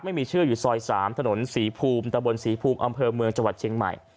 ไม่มีชื่ออยู่ซอย๓ถนนศรีภูมิตะบนศรีภูมิอำเภอเมืองจังหวัดเชียงใหม่